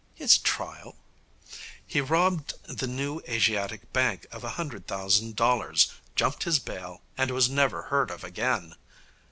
'His trial?' 'He robbed the New Asiatic Bank of a hundred thousand dollars, jumped his bail, and was never heard of again.'